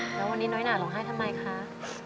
แล้ววันนี้น้อยหนาร้องไห้ทำไมคะ